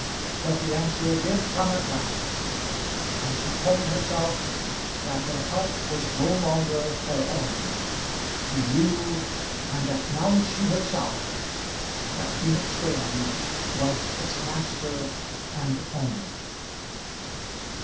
But the answer did come at last, and she told herself that her heart was no longer her own. She knew and acknowledged to herself that Felix Graham was its master and owner.